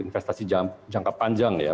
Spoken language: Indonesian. investasi jangka panjang ya